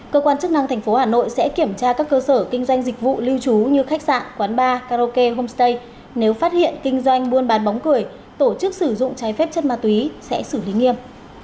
cơ quan chức năng thành phố hà nội sẽ kiểm tra các cơ sở kinh doanh dịch vụ lưu trú như khách sạn quán bar karaoke homestay nếu phát hiện kinh doanh buôn bán bóng cười tổ chức sử dụng trái phép chất ma túy sẽ xử lý nghiêm